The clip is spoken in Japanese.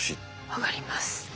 分かります。